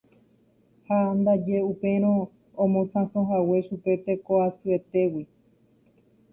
ha ndaje upérõ omosãsohague chupe teko'asyetégui.